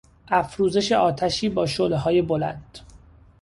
افروزش آتشی با شعلههای بلند